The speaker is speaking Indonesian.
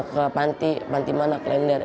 ke panti panti mana klender